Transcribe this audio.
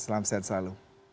selamat sehat selalu